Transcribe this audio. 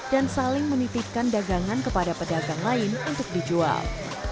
dan saling menitipkan dagangan kepada pedagang lain untuk dijual